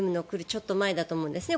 ちょっと前だと思うんですね。